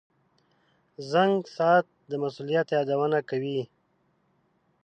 • زنګ ساعت د مسؤلیت یادونه کوي.